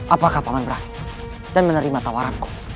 apakah paman berani dan menerima tawaranku